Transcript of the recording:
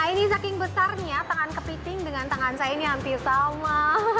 nah ini saking besarnya tangan kepiting dengan tangan saya ini hampir sama